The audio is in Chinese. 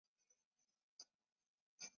核质包括染色体和核仁。